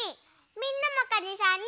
みんなもかにさんに。